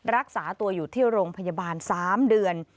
รักษาตัวอยู่ที่โรงพยาบาล๓เดือน